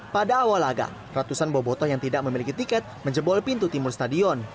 pada awal laga ratusan bobotoh yang tidak memiliki tiket menjebol pintu timur stadion